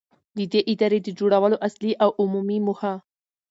، د دې ادارې د جوړولو اصلي او عمومي موخه.